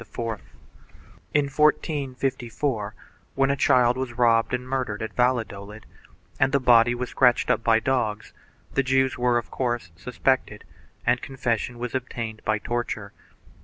2 In 1454, when a child was robbed and murdered at Valladolid and the body was scratched up by dogs, the Jews were, of course, suspected and confession was obtained by torture.